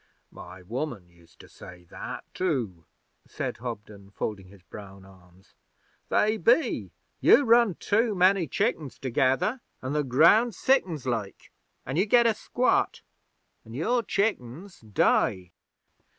'My woman used to say that too,' said Hobden, folding his brown arms. 'They be. You run too many chickens together, an' the ground sickens, like, an' you get a squat, an' your chickens die.